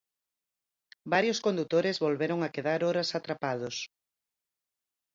Varios condutores volveron a quedar horas atrapados.